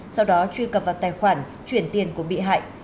sau đó truy cập vào tài khoản chuyển tiền của bị hại